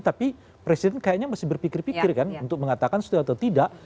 tapi presiden kayaknya masih berpikir pikir kan untuk mengatakan setuju atau tidak